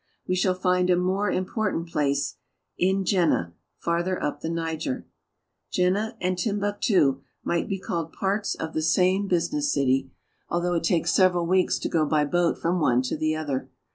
We shall find a more important place in Jenne (J6n'n6), farther up the Niger. Jenne and Timbuktu might be called parts of the same 186 AFRICA business city, although it takes several weeks to go by boat from one to the other.